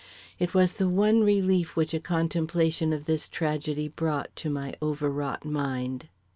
It was the one relief which a contemplation of this tragedy brought to my overwrought mind.